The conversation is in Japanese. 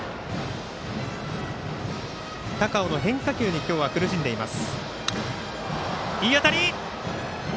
高尾の変化球に今日は苦しんでいます。